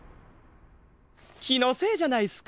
きのせいじゃないすか？